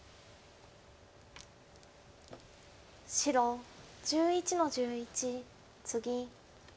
白１１の十一ツギ。